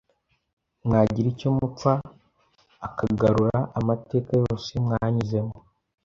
mwagira icyo mupfa akagarura amateka yose mwanyuzemo.